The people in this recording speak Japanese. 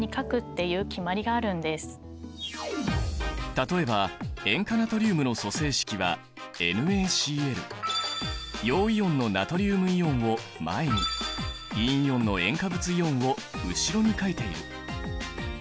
例えば塩化ナトリウムの組成式は陽イオンのナトリウムイオンを前に陰イオンの塩化物イオンを後ろに書いている。